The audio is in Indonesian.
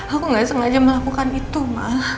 aku nggak sengaja melakukan itu maaf